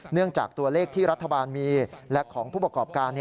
จากตัวเลขที่รัฐบาลมีและของผู้ประกอบการ